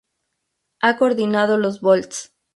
Ha coordinado los vols.